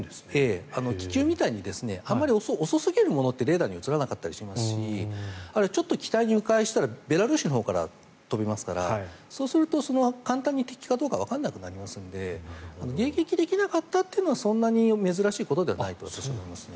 気球みたいにあまり遅すぎるものってレーダーに映らなかったりしますしちょっと北へ迂回したらベラルーシのほうから飛びますからそうすると簡単に敵かどうかわからなくなりますので迎撃できなかったというのはそんなに珍しいことじゃないと思いますね。